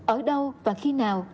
ở đâu và khi nào